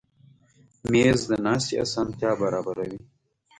مېز د ناستې اسانتیا برابروي.